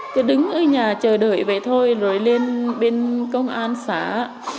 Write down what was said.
cứ đứng ở nhà chờ đợi vậy thôi rồi lên bên công an xã á